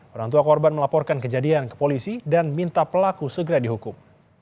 orang tua korban melaporkan kejadian ke polisi dan minta pelaku segera dihukum